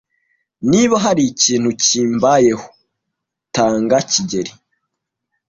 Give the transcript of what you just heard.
Niba hari ikintu kimbayeho, tanga kigeli.